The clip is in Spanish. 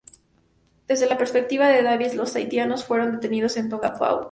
Desde la perspectiva de Davies los tahitianos fueron detenidos en Tongatapu.